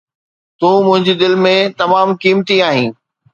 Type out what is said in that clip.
تون منهنجي دل ۾ تمام قيمتي آهين.